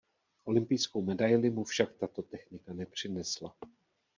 Olympijskou medaili mu však tato technika nepřinesla.